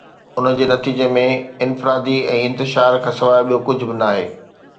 ان جي نتيجي ۾ افراتفري ۽ انتشار کانسواءِ ٻيو ڪجهه به ناهي